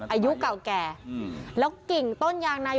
อายุเก่าแก่แล้วกิ่งต้นยางใน